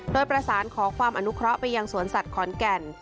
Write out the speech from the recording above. โดยประสานขอความอนุเคราะห์ไปยังสวนสัตว์ขอนแก่น